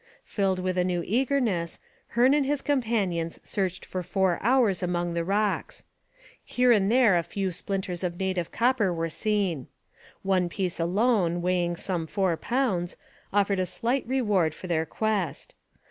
Filled with a new eagerness, Hearne and his companions searched for four hours among the rocks. Here and there a few splinters of native copper were seen. One piece alone, weighing some four pounds, offered a slight reward for their quest.